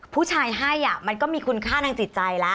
ผู้ชายให้มันก็มีคุณค่าทางจิตใจแล้ว